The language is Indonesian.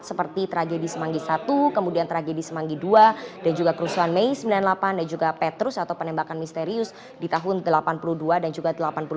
seperti tragedi semanggi i kemudian tragedi semanggi ii dan juga kerusuhan mei sembilan puluh delapan dan juga petrus atau penembakan misterius di tahun seribu sembilan ratus delapan puluh dua dan juga delapan puluh delapan